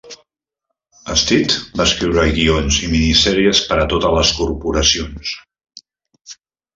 Stitt va escriure guions i minisèries per a totes les corporacions.